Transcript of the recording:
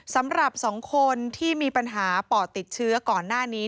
สำหรับ๒คนที่มีปัญหาปอดติดเชื้อก่อนหน้านี้